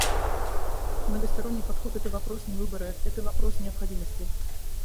Многосторонний подход — это вопрос не выбора, это вопрос необходимости.